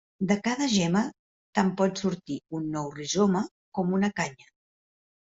De cada gemma tant pot sortir un nou rizoma com una canya.